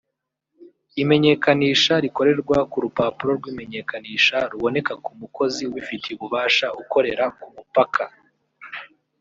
Imenyekanisha rikorerwa ku rupapuro rw’imenyekanisha ruboneka ku mukozi ubifitiye ububasha ukorera ku mupaka